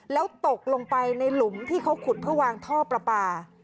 แล้วตกลงไปในหลุมที่เขาขุดเพื่อวางท่อประปา